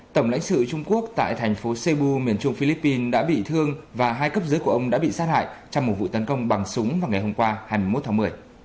tổng lãnh sự trung quốc tại thành phố sebu miền trung philippines đã bị thương và hai cấp dưới của ông đã bị sát hại trong một vụ tấn công bằng súng vào ngày hôm qua hai mươi một tháng một mươi